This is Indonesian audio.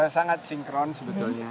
sangat sinkron sebetulnya